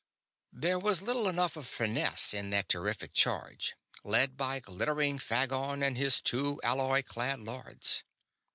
There was little enough of finesse in that terrific charge, led by glittering Phagon and his two alloy clad lords.